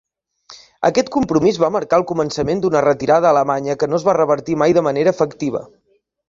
Aquest compromís va marcar el començament d'una retirada alemanya que no es va revertir mai de manera efectiva.